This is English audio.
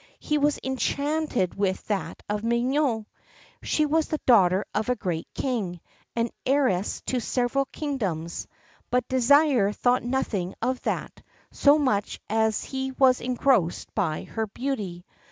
He was enchanted with that of Mignone. She was the daughter of a great King, and heiress to several kingdoms; but Désir thought nothing of that, so much was he engrossed by her beauty.